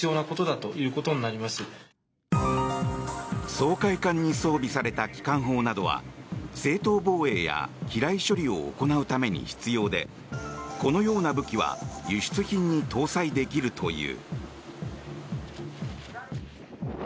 掃海艦に装備された機関砲などは正当防衛や機雷処理を行うために必要でこのような武器は輸出品に搭載できるという。